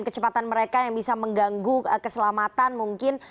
dan kecepatan mereka yang bisa mengganggu keselamatan mungkin